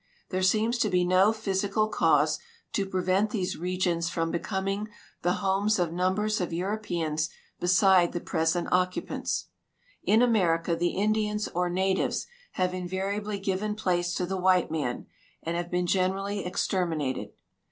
There seems to be no physical cause to ]irevent these regions from becoming the homes of numbers of Euro{)eans beside the present occupants. In America the Indians or natives have invariably given ]dace to the white man and have been generally exterminated.